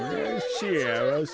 しあわせ。